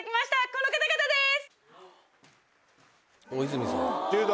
この方々です！